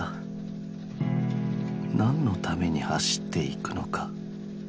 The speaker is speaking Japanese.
何のために走って行くのか。